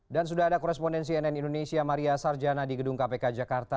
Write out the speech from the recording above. dan sudah ada korespondensi nn indonesia maria sarjana di gedung kpk jakarta